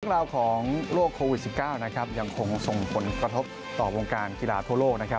เรื่องราวของโลกโควิด๑๙ยังคงส่งผลประทบต่อโรงการกีฬาทั่วโลก